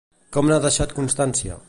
Com n'ha deixat constància?